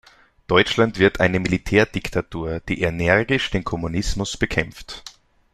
Deutschland wird eine Militärdiktatur, die energisch den Kommunismus bekämpft.